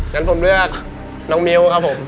งั้นผมเลือกน้องมิ้วครับผม